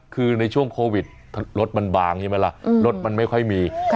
คือในช่วงโควิดรถมันบางอย่างเมื่อละอืมรถมันไม่ค่อยมีครับ